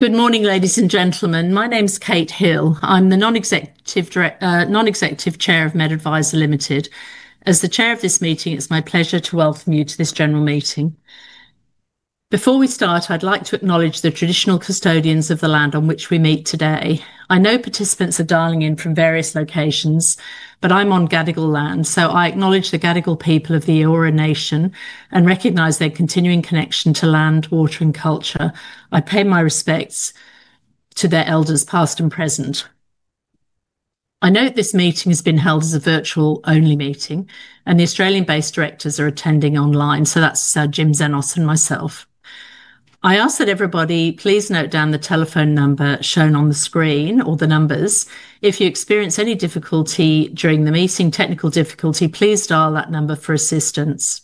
Good morning, ladies and gentlemen. My name's Kate Hill. I'm the Non-Executive Chair of MedAdvisor Limited. As the Chair of this meeting, it's my pleasure to welcome you to this general meeting. Before we start, I'd like to acknowledge the traditional custodians of the land on which we meet today. I know participants are dialing in from various locations, but I'm on Gadigal land, so I acknowledge the Gadigal people of the Eora Nation and recognize their continuing connection to land, water, and culture. I pay my respects to their elders, past and present. I note this meeting has been held as a virtual-only meeting, and the Australian-based directors are attending online, so that's Sir Jim Xenos and myself. I ask that everybody please note down the telephone number shown on the screen or the numbers. If you experience any difficulty during the meeting, technical difficulty, please dial that number for assistance.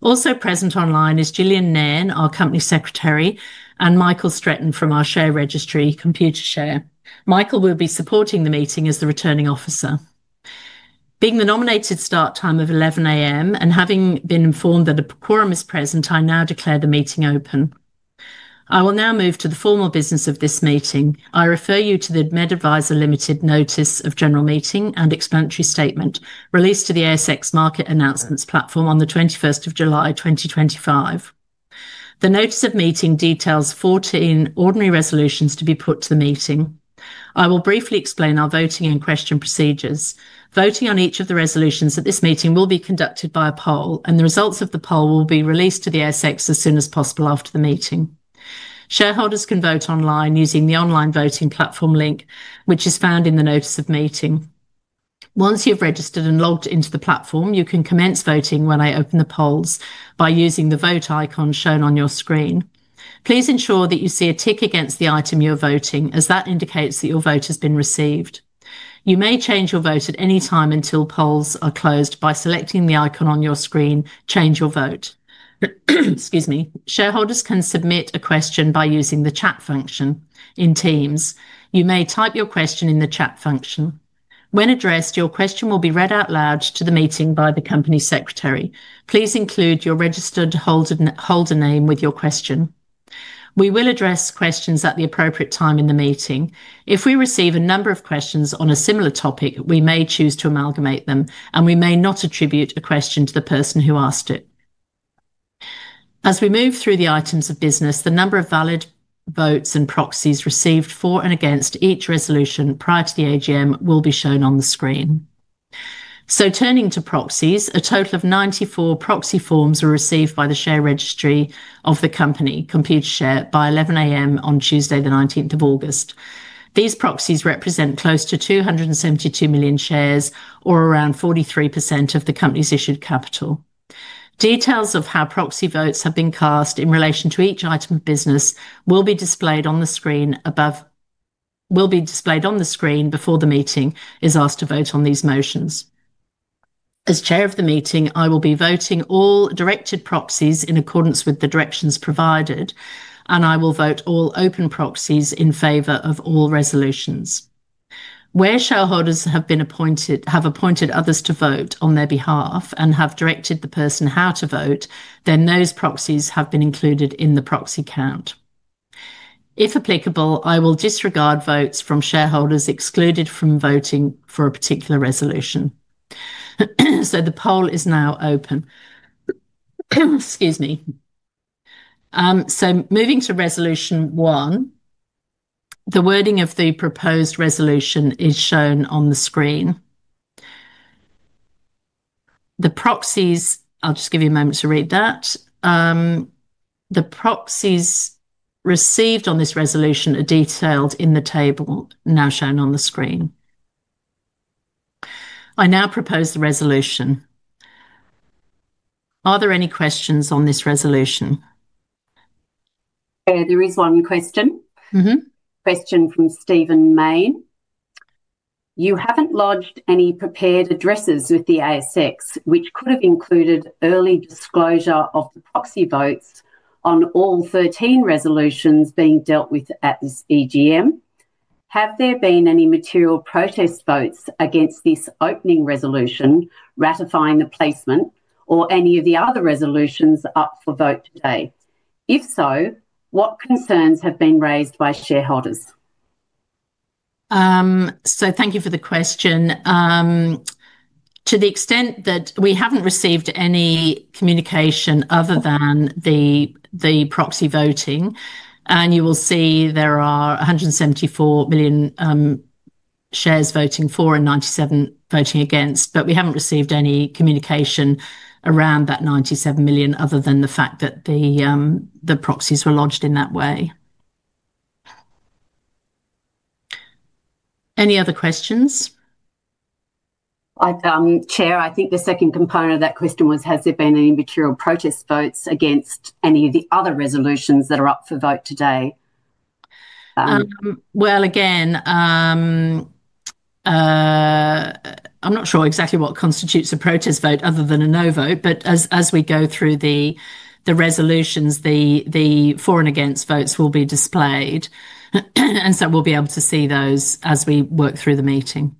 Also present online is Gillian Nairn, our Company Secretary, and Michael Stratton from our share registry, Computershare. Michael will be supporting the meeting as the Returning Officer. Being the nominated start time of 11:00 A.M. and having been informed that a quorum is present, I now declare the meeting open. I will now move to the formal business of this meeting. I refer you to the MedAdvisor Limited Notice of General Meeting and Explanatory Statement released to the ASX Market Announcements platform on the 21st of July, 2025. The notice of meeting details 14 ordinary resolutions to be put to the meeting. I will briefly explain our voting and question procedures. Voting on each of the resolutions at this meeting will be conducted by a poll, and the results of the poll will be released to the ASX as soon as possible after the meeting. Shareholders can vote online using the online voting platform link, which is found in the notice of meeting. Once you've registered and logged into the platform, you can commence voting when I open the polls by using the vote icon shown on your screen. Please ensure that you see a tick against the item you're voting, as that indicates that your vote has been received. You may change your vote at any time until polls are closed by selecting the icon on your screen, change your vote. Excuse me. Shareholders can submit a question by using the chat function in Teams. You may type your question in the chat function. When addressed, your question will be read out loud to the meeting by the Company Secretary. Please include your registered holder name with your question. We will address questions at the appropriate time in the meeting. If we receive a number of questions on a similar topic, we may choose to amalgamate them, and we may not attribute a question to the person who asked it. As we move through the items of business, the number of valid votes and proxies received for and against each resolution prior to the AGM will be shown on the screen. Turning to proxies, a total of 94 proxy forms were received by the share registry of the company, Computershare, by 11:00 A.M. on Tuesday, the 19th of August. These proxies represent close to 272 million shares, or around 43% of the company's issued capital. Details of how proxy votes have been cast in relation to each item of business will be displayed on the screen before the meeting is asked to vote on these motions. As Chair of the meeting, I will be voting all directed proxies in accordance with the directions provided, and I will vote all open proxies in favor of all resolutions. Where shareholders have appointed others to vote on their behalf and have directed the person how to vote, then those proxies have been included in the proxy count. If applicable, I will disregard votes from shareholders excluded from voting for a particular resolution. The poll is now open. Excuse me. Moving to resolution one, the wording of the proposed resolution is shown on the screen. The proxies, I'll just give you a moment to read that. The proxies received on this resolution are detailed in the table now shown on the screen. I now propose the resolution. Are there any questions on this resolution? There is one question. Mm-hmm. Question from Stephen Main. You haven't lodged any prepared addresses with the ASX, which could have included early disclosure of proxy votes on all 13 resolutions being dealt with at this AGM. Have there been any material protest votes against this opening resolution, ratifying the placement, or any of the other resolutions up for vote today? If so, what concerns have been raised by shareholders? Thank you for the question. To the extent that we haven't received any communication other than the proxy voting, you will see there are 174 million shares voting for and 97 million voting against, but we haven't received any communication around that 97 million other than the fact that the proxies were lodged in that way. Any other questions? Chair, I think the second component of that question was, has there been any material protest votes against any of the other resolutions that are up for vote today? I'm not sure exactly what constitutes a protest vote other than a no vote, but as we go through the resolutions, the for and against votes will be displayed, and we'll be able to see those as we work through the meeting.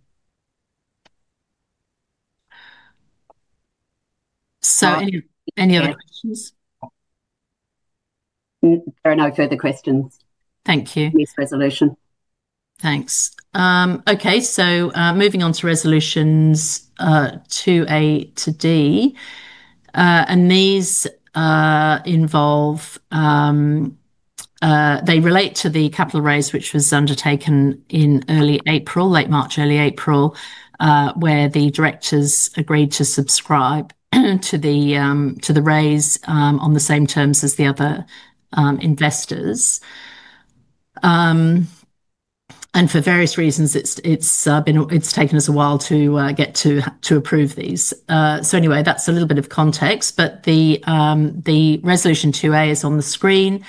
Any other questions? There are no further questions. Thank you. On this resolution. Thanks. Okay. Moving on to resolutions 2A to 2D. These involve, they relate to the capital raising which was undertaken in early April, late March, early April, where the directors agreed to subscribe to the raise on the same terms as the other investors. For various reasons, it's taken us a while to get to approve these. That's a little bit of context, but the resolution 2A is on the screen,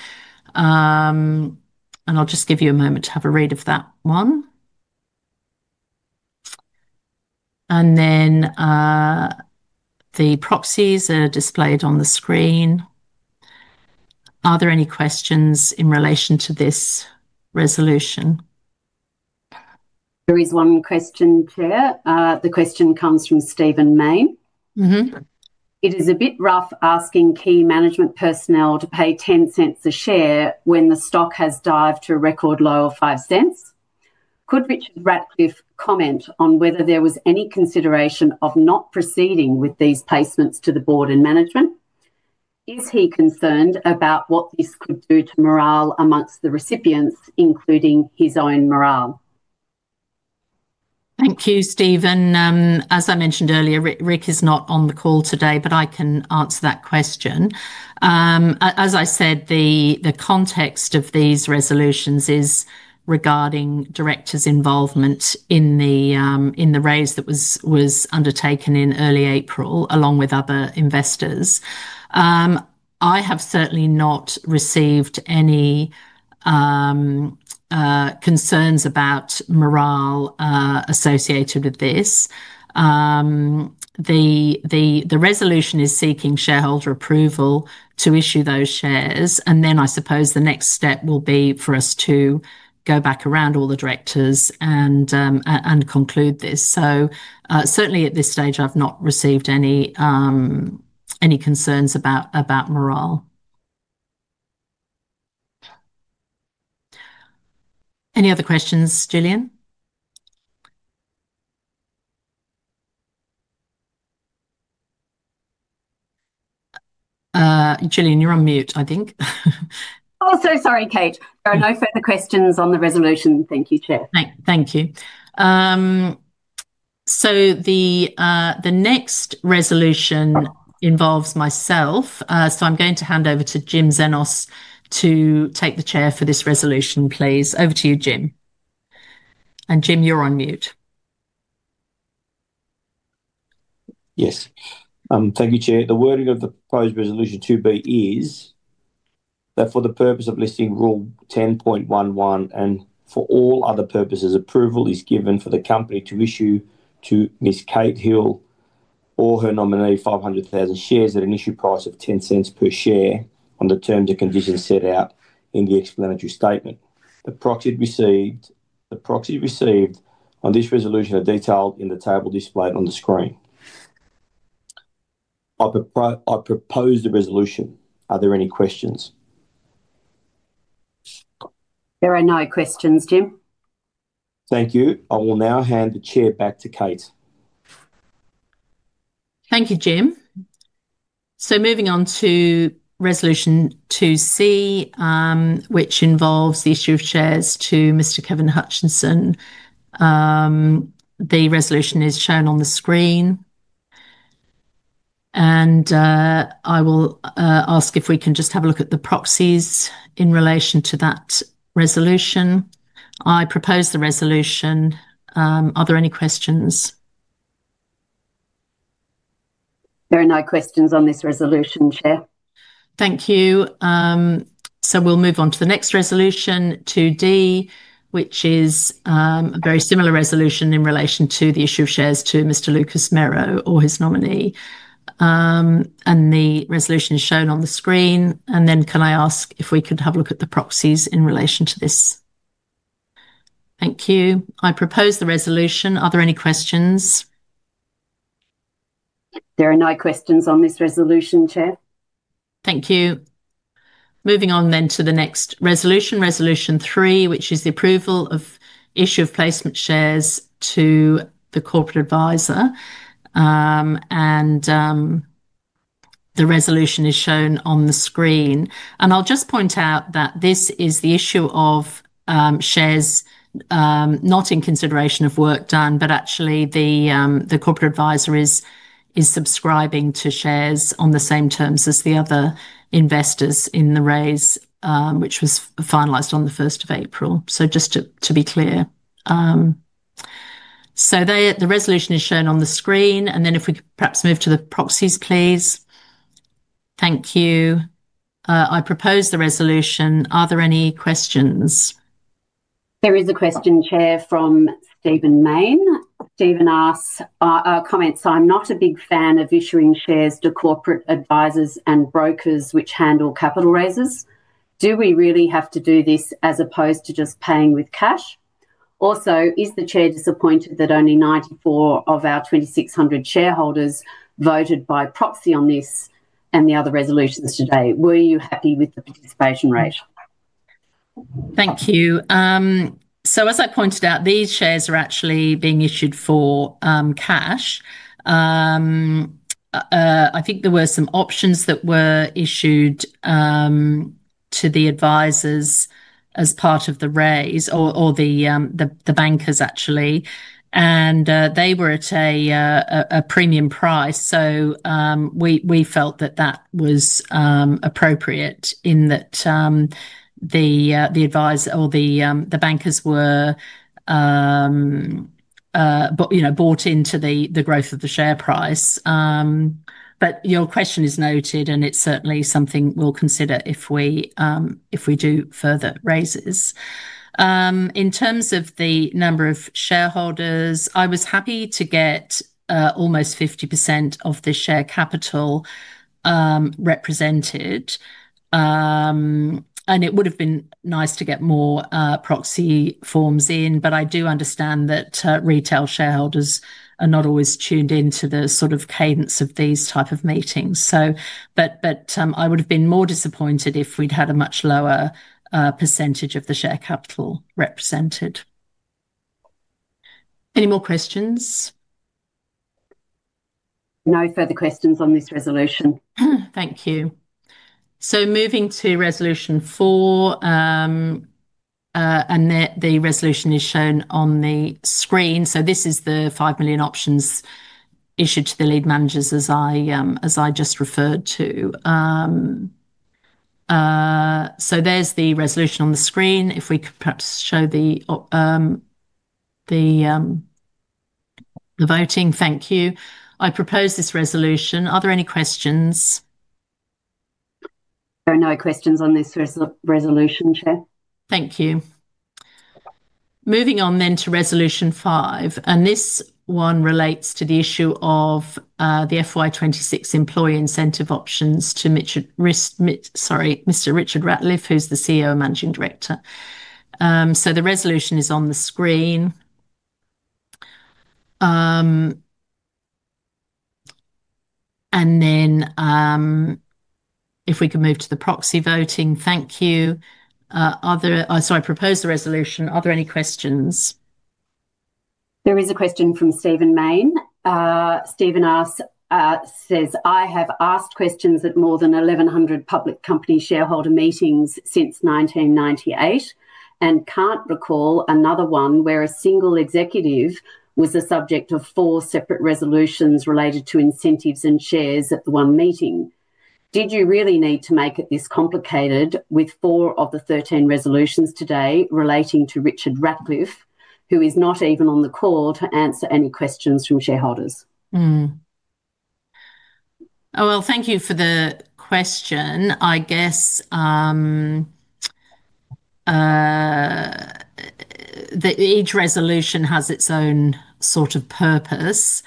and I'll just give you a moment to have a read of that one. The proxies are displayed on the screen. Are there any questions in relation to this resolution? There is one question, Chair. The question comes from Stephen Main. Mm-hmm. It is a bit rough asking key management personnel to pay $0.10 a share when the stock has dived to a record low of $0.05. Could Rick Ratliff comment on whether there was any consideration of not proceeding with these placements to the board and management? Is he concerned about what this could do to morale amongst the recipients, including his own morale? Thank you, Stephen. As I mentioned earlier, Rick is not on the call today, but I can answer that question. As I said, the context of these resolutions is regarding directors' involvement in the raise that was undertaken in early April, along with other investors. I have certainly not received any concerns about morale associated with this. The resolution is seeking shareholder approval to issue those shares, and I suppose the next step will be for us to go back around all the directors and conclude this. Certainly at this stage, I've not received any concerns about morale. Any other questions, Gillian? Gillian, you're on mute, I think. Sorry, Kate. There are no further questions on the resolution. Thank you, Chair. Thank you. The next resolution involves myself. I'm going to hand over to Jim Xenos to take the chair for this resolution, please. Over to you, Jim. Jim, you're on mute. Yes. Thank you, Chair. The wording of the proposed resolution 2B is that for the purpose of Listing Rule 10.11 and for all other purposes, approval is given for the company to issue to Ms. Kate Hill or her nominee 500,000 shares at an issue price of $0.10 per share under terms and conditions set out in the explanatory statement. The proxies received on this resolution are detailed in the table displayed on the screen. I propose the resolution. Are there any questions? There are no questions, Jim. Thank you. I will now hand the Chair back to Kate. Thank you, Jim. Moving on to resolution 2C, which involves the issue of shares to Mr. Kevin Hutchinson. The resolution is shown on the screen. I will ask if we can just have a look at the proxies in relation to that resolution. I propose the resolution. Are there any questions? There are no questions on this resolution, Chair. Thank you. We'll move on to the next resolution, 2D, which is a very similar resolution in relation to the issue of shares to Mr. Lucas Merrow or his nominee. The resolution is shown on the screen. Can I ask if we could have a look at the proxies in relation to this? Thank you. I propose the resolution. Are there any questions? There are no questions on this resolution, Chair. Thank you. Moving on to the next resolution, resolution 3, which is the approval of the issue of placement shares to the corporate advisor. The resolution is shown on the screen. I'll just point out that this is the issue of shares not in consideration of work done, but actually the corporate advisor is subscribing to shares on the same terms as the other investors in the raise, which was finalized on the 1st of April. Just to be clear, the resolution is shown on the screen. If we could perhaps move to the proxies, please. Thank you. I propose the resolution. Are there any questions? There is a question, Chair, from Stephen Main. Stephen asks, "I'm not a big fan of issuing shares to corporate advisors and brokers which handle capital raises. Do we really have to do this as opposed to just paying with cash? Also, is the Chair disappointed that only 94 of our 2,600 shareholders voted by proxy on this and the other resolutions today? Were you happy with the participation rate? Thank you. As I pointed out, these shares are actually being issued for cash. I think there were some options that were issued to the advisors as part of the raise or the bankers, actually. They were at a premium price. We felt that that was appropriate in that the bankers were, you know, bought into the growth of the share price. Your question is noted, and it's certainly something we'll consider if we do further raises. In terms of the number of shareholders, I was happy to get almost 50% of the share capital represented. It would have been nice to get more proxy forms in, but I do understand that retail shareholders are not always tuned into the sort of cadence of these types of meetings. I would have been more disappointed if we'd had a much lower percentage of the share capital represented. Any more questions? No further questions on this resolution. Thank you. Moving to resolution 4, the resolution is shown on the screen. This is the $5 million options issued to the lead managers, as I just referred to. There's the resolution on the screen. If we could perhaps show the voting. Thank you. I propose this resolution. Are there any questions? There are no questions on this resolution, Chair. Thank you. Moving on to resolution 5. This one relates to the issue of the FY26 employee incentive options to Mr. Richard Ratliff, who's the CEO and Managing Director. The resolution is on the screen. If we can move to the proxy voting. Thank you. I propose the resolution. Are there any questions? There is a question from Stephen Main. Stephen asks, says, "I have asked questions at more than 1,100 public company shareholder meetings since 1998 and can't recall another one where a single executive was the subject of four separate resolutions related to incentives and shares at the one meeting. Did you really need to make it this complicated with 4 of the 13 resolutions today relating to Richard Ratliff, who is not even on the call to answer any questions from shareholders? Thank you for the question. I guess that each resolution has its own sort of purpose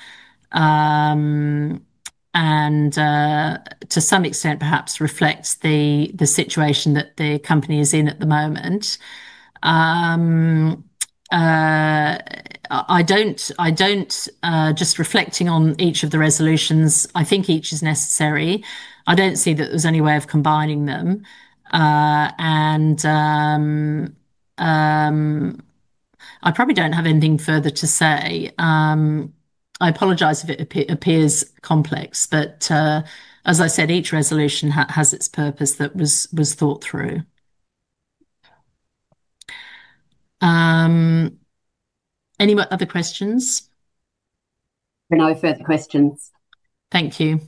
and to some extent, perhaps reflects the situation that the company is in at the moment. Just reflecting on each of the resolutions, I think each is necessary. I don't see that there's any way of combining them. I probably don't have anything further to say. I apologize if it appears complex, but as I said, each resolution has its purpose that was thought through. Any other questions? There are no further questions. Thank you.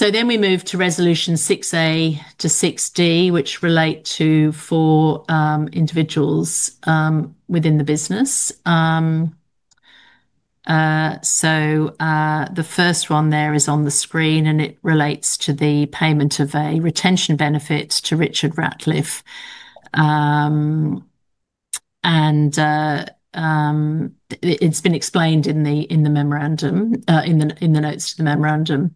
We move to resolution 6A to 6D, which relate to four individuals within the business. The first one there is on the screen, and it relates to the payment of a retention benefit to Richard Ratliff. It's been explained in the notes to the memorandum.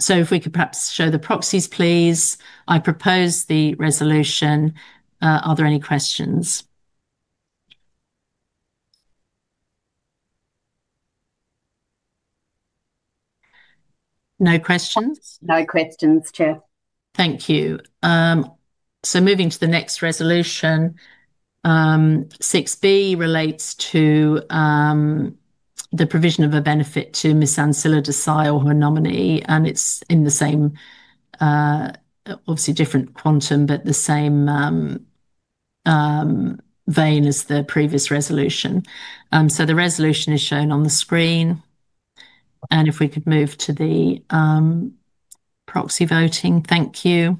If we could perhaps show the proxies, please. I propose the resolution. Are there any questions? No questions? No questions, Chair. Thank you. Moving to the next resolution, 6B relates to the provision of a benefit to Ms. Ancila Desai or her nominee. It's in the same, obviously different quantum, but the same vein as the previous resolution. The resolution is shown on the screen. If we could move to the proxy voting. Thank you.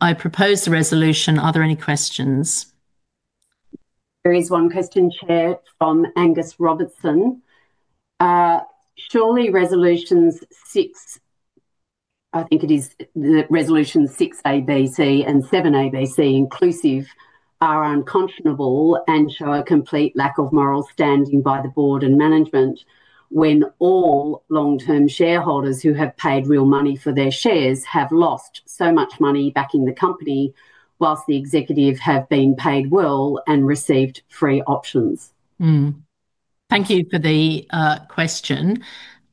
I propose the resolution. Are there any questions? There is one question, Chair, from Angus Robertson. Surely resolutions 6, I think it is the resolutions 6ABC and 7ABC inclusive, are unconscionable and show a complete lack of moral standing by the Board and management when all long-term shareholders who have paid real money for their shares have lost so much money back in the company, whilst the executive have been paid well and received free options? Thank you for the question.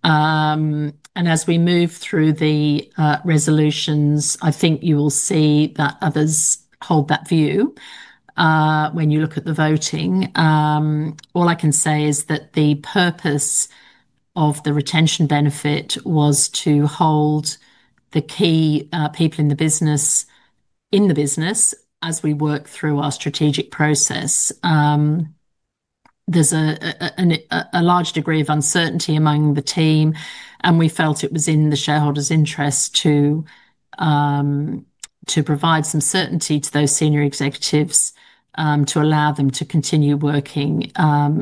As we move through the resolutions, I think you will see that others hold that view when you look at the voting. All I can say is that the purpose of the retention benefit was to hold the key people in the business as we work through our strategic process. There is a large degree of uncertainty among the team, and we felt it was in the shareholders' interest to provide some certainty to those senior executives to allow them to continue working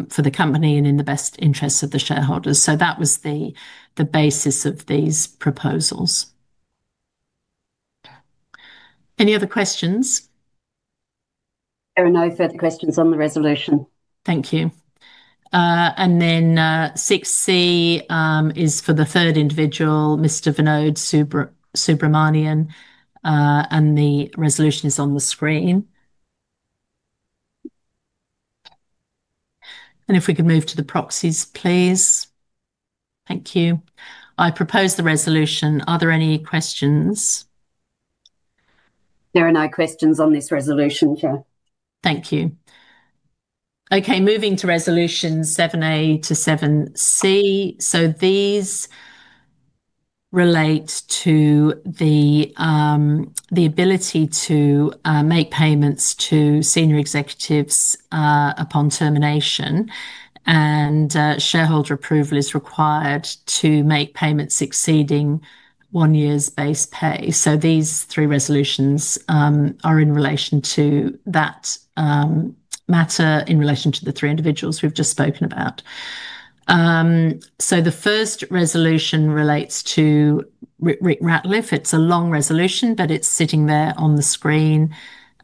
for the company and in the best interests of the shareholders. That was the basis of these proposals. Any other questions? There are no further questions on the resolution. Thank you. 6C is for the third individual, Mr. Vinod Subramanian, and the resolution is on the screen. If we could move to the proxies, please. Thank you. I propose the resolution. Are there any questions? There are no questions on this resolution, Chair. Thank you. Okay. Moving to resolutions 7A to 7C. These relate to the ability to make payments to senior executives upon termination, and shareholder approval is required to make payments exceeding one year's base pay. These three resolutions are in relation to that matter, in relation to the three individuals we've just spoken about. The first resolution relates to Rick Ratliff. It's a long resolution, but it's sitting there on the screen.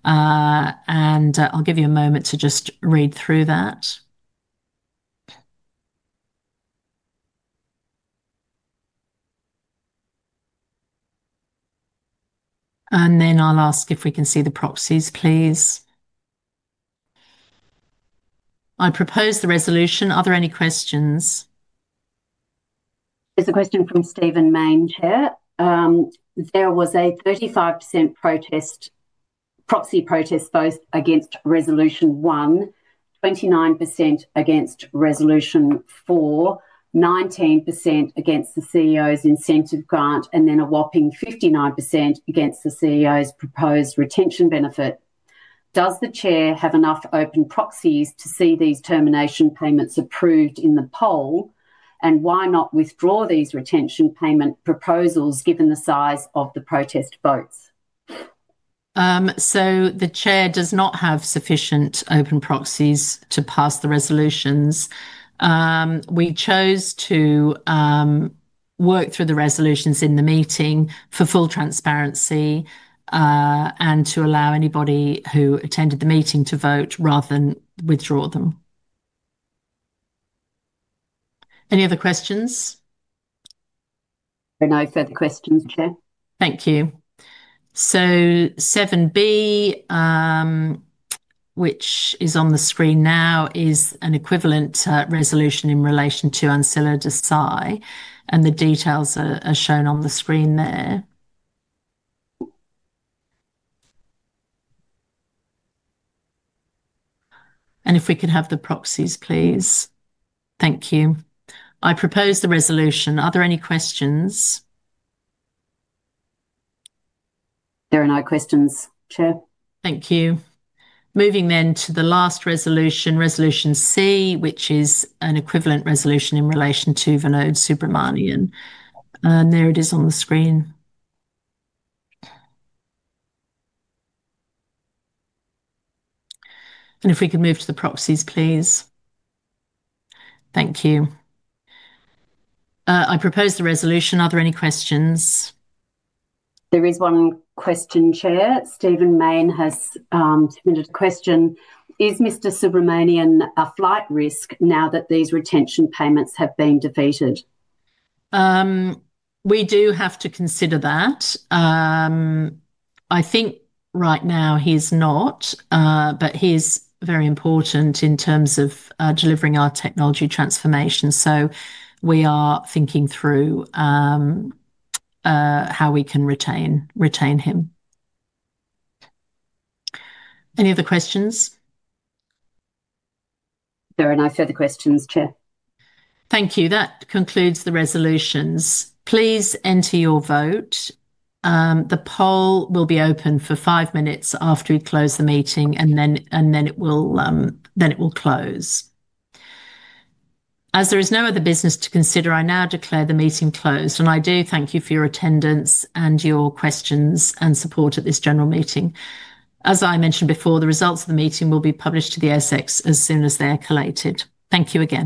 I'll give you a moment to just read through that. I'll ask if we can see the proxies, please. I propose the resolution. Are there any questions? There's a question from Stephen Main, Chair. There was a 35% proxy protest both against resolution 1, 29% against resolution 4, 19% against the CEO's incentive grant, and then a whopping 59% against the CEO's proposed retention benefit. Does the Chair have enough open proxies to see these termination payments approved in the poll, and why not withdraw these retention payment proposals given the size of the protest votes? The Chair does not have sufficient open proxies to pass the resolutions. We chose to work through the resolutions in the meeting for full transparency and to allow anybody who attended the meeting to vote rather than withdraw them. Any other questions? There are no further questions, Chair. Thank you. 7B, which is on the screen now, is an equivalent resolution in relation to Ancila Desai, and the details are shown on the screen there. If we could have the proxies, please. Thank you. I propose the resolution. Are there any questions? There are no questions, Chair. Thank you. Moving to the last resolution, resolution C, which is an equivalent resolution in relation to Vinod Subramanian. There it is on the screen. If we could move to the proxies, please. Thank you. I propose the resolution. Are there any questions? There is one question, Chair. Stephen Main has submitted a question. Is Mr. Vinod Subramanian a flight risk now that these retention payments have been defeated? We do have to consider that. I think right now he's not, but he's very important in terms of delivering our technology transformation. We are thinking through how we can retain him. Any other questions? There are no further questions, Chair. Thank you. That concludes the resolutions. Please enter your vote. The poll will be open for five minutes after we close the meeting, and then it will close. As there is no other business to consider, I now declare the meeting closed. I do thank you for your attendance and your questions and support at this general meeting. As I mentioned before, the results of the meeting will be published to the ASX as soon as they're collected. Thank you again.